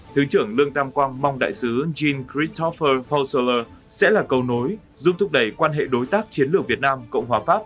thứ trưởng lương tam quang mong đại sứ jean christopheri fusale sẽ là cầu nối giúp thúc đẩy quan hệ đối tác chiến lược việt nam cộng hòa pháp